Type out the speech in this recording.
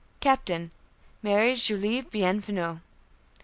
Captain. Married Julie Bienvenue.